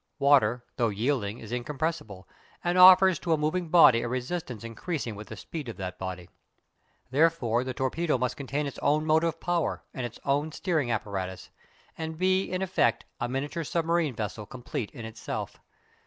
Water, though yielding, is incompressible, and offers to a moving body a resistance increasing with the speed of that body. Therefore the torpedo must contain its own motive power and its own steering apparatus, and be in effect a miniature submarine vessel complete in itself.